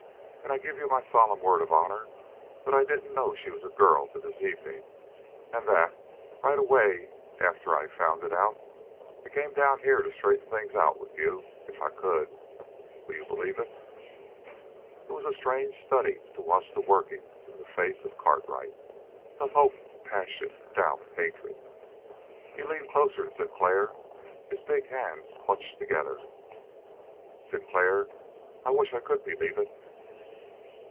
And I give you my solemn word of honor that I didn't know she was a girl till this evening, and that, right away after I found it out, I come down here to straighten things out with you if I could. Will you believe it?" It was a strange study to watch the working in the face of Cartwright of hope, passion, doubt, hatred. He leaned closer to Sinclair, his big hands clutched together. "Sinclair, I wish I could believe it!"